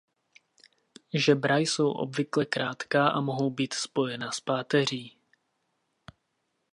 Žebra jsou obvykle krátká a mohou být spojena s páteří.